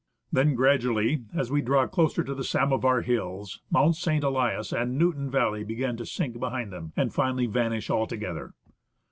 Then gradually, as we draw closer to the Samovar Hills, Mount St. Elias and Newton valley begin to sink behind them and finally vanish altogether.